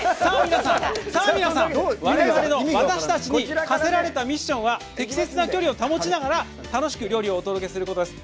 われわれの私たちにかせられたミッションは適切な距離を保ちながら楽しく料理をお届けすることです。